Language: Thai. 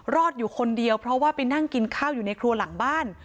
อยู่คนเดียวเพราะว่าไปนั่งกินข้าวอยู่ในครัวหลังบ้าน